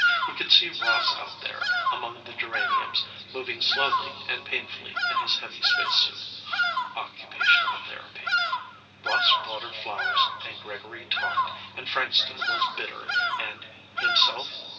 He could see Ross out there, among the geraniums, moving slowly and painfully in his heavy spacesuit. Occupational therapy. Ross watered flowers and Gregory talked and Frankston was bitter and ... himself?